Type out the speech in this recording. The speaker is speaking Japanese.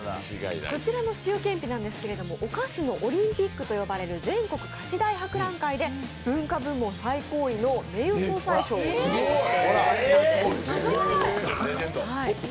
こちらの塩けんぴなんですけれども、お菓子のオリンピックと呼ばれる全国菓子大博覧会で文化部門・最高位の名誉総裁賞を受賞しているんです。